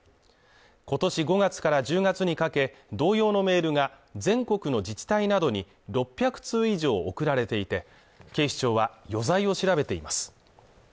今年５月から１０月にかけ同様のメールが全国の自治体などに６００通以上送られていて警視庁は余罪を調べています